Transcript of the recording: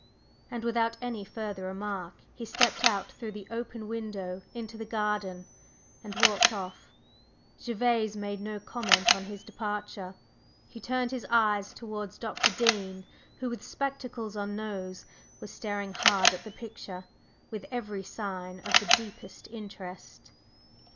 And, without any further remark he stepped out through the open window into the garden, and walked off. Gervase made no comment on his departure; he turned his eyes towards Dr. Dean who, with spectacles on nose, was staring hard at the picture with every sign of the deepest interest.